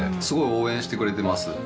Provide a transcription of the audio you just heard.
すごい応援してくれてます。